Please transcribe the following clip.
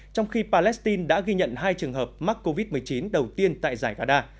trong khi palestine đã ghi nhận hai trường hợp mắc covid một mươi chín đầu tiên tại giải gaza